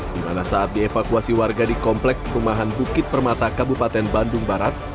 di mana saat dievakuasi warga di komplek perumahan bukit permata kabupaten bandung barat